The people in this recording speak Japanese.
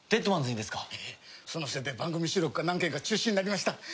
そのせいで番組収録が何件か中止になりました。